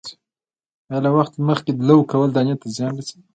آیا له وخت مخکې لو کول دانې ته زیان رسوي؟